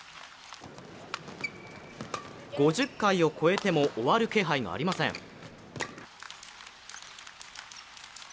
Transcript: ５０回を超えても終わる気配がありません。